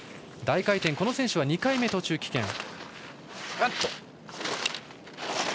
大回転、この選手は２回目、途中棄権。